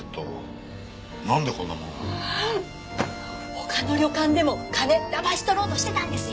他の旅館でも金だまし取ろうとしてたんですよ！